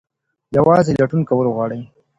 یوازې لټون کول غواړي.